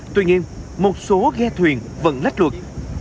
tuy nhiên một số ghe thuyền vẫn lách luộc